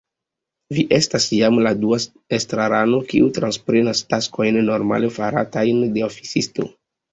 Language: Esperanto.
Vi estas jam la dua estrarano, kiu transprenas taskojn normale faratajn de oficisto.